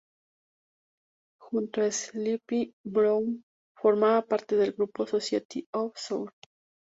Junto a Sleepy Brown, formaba parte del grupo Society of Soul.